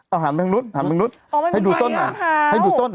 เอาหันแบงนู้นนี่ดูส้นก่อนดูส้นอ๋อไม่เป็นไรละ